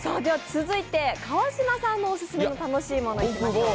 続いて、川島さんのオススメの楽しいものをいきましょう。